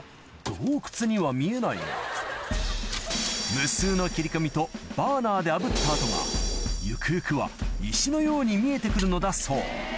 無数の切り込みとバーナーで炙った跡がゆくゆくは石のように見えてくるのだそう